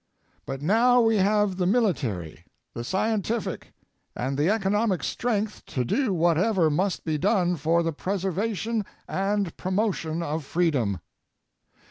But now we have the military, the scientific, and the economic strength to do whatever must be done for the preservation and promotion of freedom.